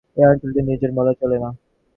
এই অঞ্চলটিকে নির্জন বলা চলে না।